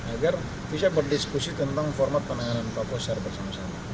agar bisa berdiskusi tentang format penanganan papua secara bersama sama